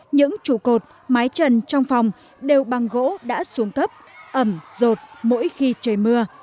những trụ cột mái trần trong phòng đều bằng gỗ đã xuống cấp ẩm rột mỗi khi trời mưa